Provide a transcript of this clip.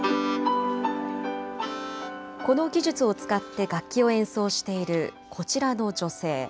この技術を使って楽器を演奏しているこちらの女性。